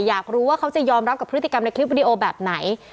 อยากรู้ว่าเขาจะยอมรับกับพฤติกรรมในคลิปวิดีโอแบบไหน